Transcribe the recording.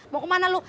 mau kemana lu